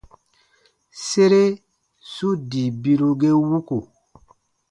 Sere su dii biru ge wuku.